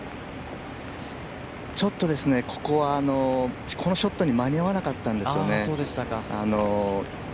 ちょっと、ここはこのショットに間に合わなかったんですよね。